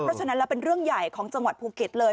เพราะฉะนั้นแล้วเป็นเรื่องใหญ่ของจังหวัดภูเก็ตเลย